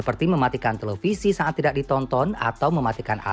ketiga hemat listrik menjadi salah satu upaya pelestarian lingkungan dan mengurangi emisi udara